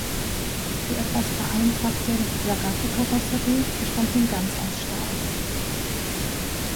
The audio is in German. Die etwas vereinfachte Zagato-Karosserie bestand nun ganz aus Stahl.